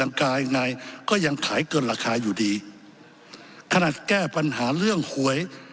กายยังไงก็ยังขายเกินราคาอยู่ดีขนาดแก้ปัญหาเรื่องหวย